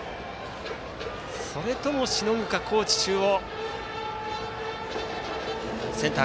それとも、しのぐか高知中央。